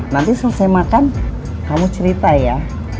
nanti selesai makan kamu cerita ya